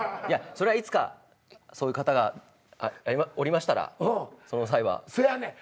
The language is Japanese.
そりゃいつかそういう方がおりましたらその際は。せやねん。